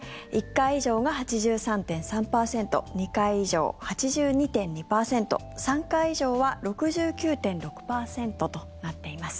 １回以上が８３．３％２回以上、８２．２％３回以上は６９．６％となっています。